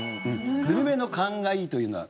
「ぬるめの燗がいい」というのは。